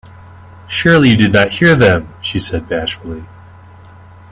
‘Surely you did not hear them!’ she said bashfully.